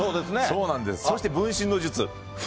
そして分身の術。